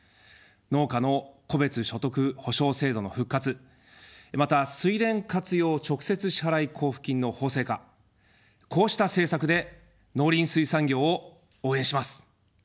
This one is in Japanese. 農家の戸別所得補償制度の復活、また、水田活用直接支払交付金の法制化、こうした政策で農林水産業を応援します。